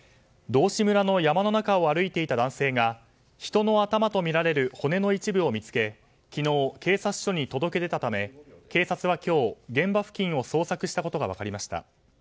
道志村の山の中を歩いていた男性が人の頭とみられる骨の一部を見つけ昨日、警察署に届け出たため警察は今日現場付近を捜索したことが分かりました。